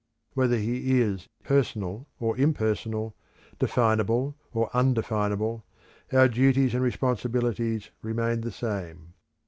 Whether he is personal or impersonal, definable or undefinable, our duties and responsibilities remain the same.